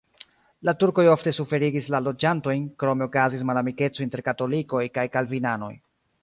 La turkoj ofte suferigis la loĝantojn, krome okazis malamikeco inter katolikoj kaj kalvinanoj.